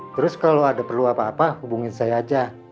terus kalau ada perlu apa apa hubungin saya aja